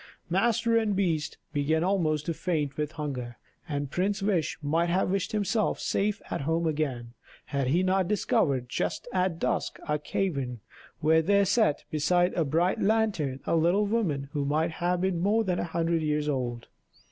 Master and beast began almost to faint with hunger; and Prince Wish might have wished himself safe at home again, had he not discovered, just at dusk, a cavern, where there sat, beside a bright lantern, a little woman who might have been more than a hundred years old.